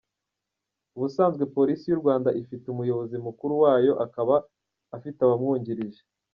Ubusanzwe Polisi y’u Rwanda ifite Umuyobozi mukuru wayo akaba afite abamwungirije.